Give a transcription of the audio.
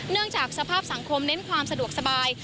จากสภาพสังคมเน้นความสะดวกสบาย